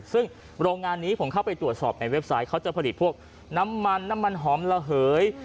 ซึ่งโรงงานนี้ผมเข้าไปตรวจสอบในเว็บไซต์เขาจะผลิตพวกน้ำมันน้ำมันหอมระเหย